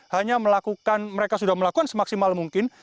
hanya melakukan mereka sudah melakukan semaksimal mungkin